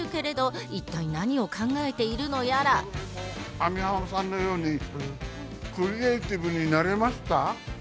網浜さんのようにクリエーティブになれますか？